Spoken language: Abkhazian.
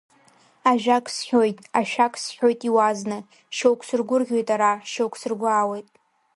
Ажәак сҳәоит, ашәак сҳәоит иуазны, шьоук сыргәырӷьоит ара, шьоук сыргәаауеит.